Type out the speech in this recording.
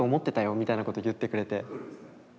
みたいなこと言ってくれて。